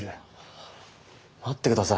待ってください。